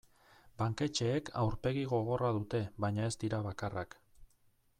Banketxeek aurpegi gogorra dute baina ez dira bakarrak.